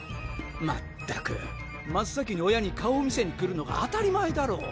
まったく真っ先に親に顔を見せに来るのが当たり前だろ！